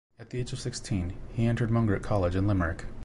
At the age of sixteen, he entered Mungret College in Limerick.